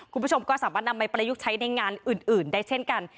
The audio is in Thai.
คุณผู้ชมก็สามารถนำไปประยุกต์ใช้ในงานอื่นได้เช่นกัน